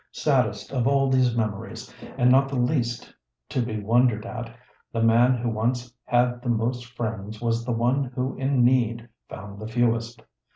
Saddest of all these memories, and not the least to be wondered at, the man who once had the most friends was the one who in need found the fewest.